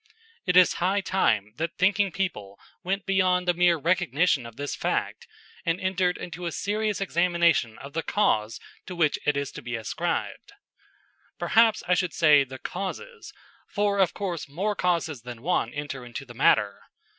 It is high time that thinking people went beyond the mere recognition of this fact and entered into a serious examination of the cause to which it is to be ascribed. Perhaps I should say the causes, for of course more causes than one enter into the matter.